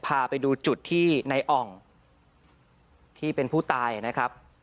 พาไปดูจุดที่ในอ่องที่เป็นผู้ตายนะครับ